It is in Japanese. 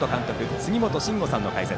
杉本真吾さんの解説。